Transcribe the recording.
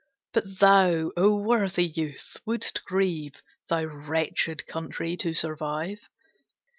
But thou, O worthy youth, wouldst grieve, Thy wretched country to survive.